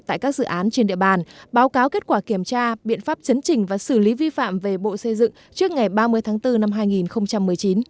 tại các dự án trên địa bàn báo cáo kết quả kiểm tra biện pháp chấn trình và xử lý vi phạm về bộ xây dựng trước ngày ba mươi tháng bốn năm hai nghìn một mươi chín